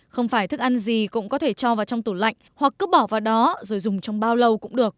không phải thức ăn gì cũng có thể cho vào trong tủ lạnh hoặc cứ bỏ vào đó rồi dùng trong bao lâu cũng được